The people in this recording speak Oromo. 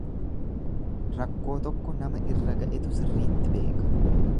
Rakkoo tokko nama irra ga'etu sirriitti beeka.